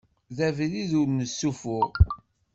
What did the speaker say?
D abrid ur nessufuɣ.